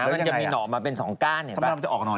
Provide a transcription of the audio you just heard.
มันจะมีหนอนมาเป็น๒ก้านเห็นไหม